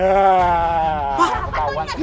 apaan tuh ini